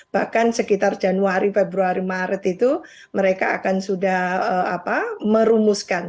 bahkan sekitar januari februari maret itu mereka akan sudah merumuskan